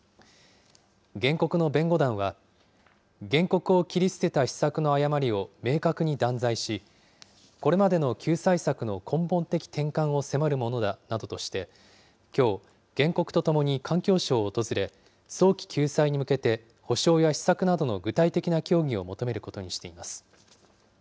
原告の弁護団は、原告を切り捨てた施策の誤りを明確に断罪し、これまでの救済策の根本的転換を迫るものだなどとして、きょう、原告とともに環境省を訪れ、早期救済に向けて、補償や施策などの具体的な協議を求めることにしています。